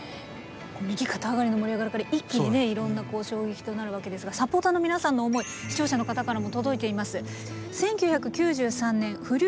右肩上がりの盛り上がりから一気にいろんな衝撃となるわけですがサポーターの皆さんの思い視聴者の方からも届いています。